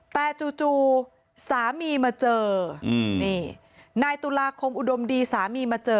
แต่จู่สามีมาเจอนี่นายตุลาคมอุดมดีสามีมาเจอ